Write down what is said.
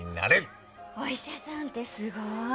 お医者さんってすごい！